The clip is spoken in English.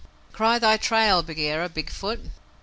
Cry thy trail, Bagheera, Big Foot!"